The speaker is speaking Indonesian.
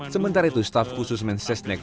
sementara itu staf khusus mensesnek